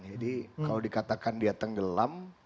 jadi kalo dikatakan dia tenggelam